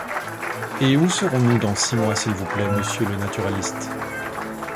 Et où serons-nous dans six mois, s’il vous plaît, monsieur le naturaliste ?